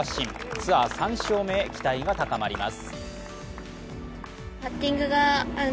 ツアー３勝目へ期待が高まります。